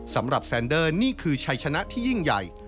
สำหรับแซนเดอร์นี่คือชัยชนะที่ยิ่งใหญ่